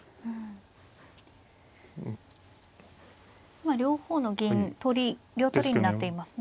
今両方の銀取り両取りになっていますね。